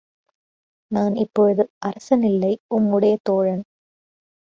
நான் இப்பொழுது அரசன் இல்லை உம்முடைய தோழன்.